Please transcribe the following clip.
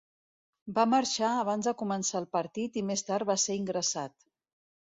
Va marxar abans de començar el partit i més tard va ser ingressat.